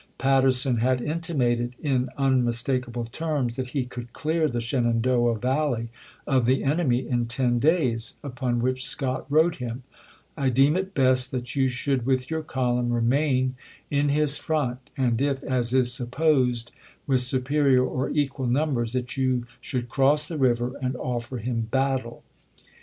Patterson had intimated in unmistakable terms that he could clear the Shenandoah Valley of the enemy in ten days, upon which Scott wrote him :" I deem it best that you should with your column remain in his front, and if, as is supposed, with superior or equal numbers, that you should cross the river and offer him battle."